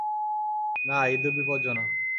না, ইঁদুর বিপজ্জনক।